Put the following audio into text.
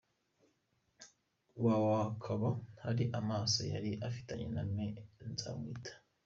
Wawa akaba hari amasano yari afitanye na Me Nzamwita.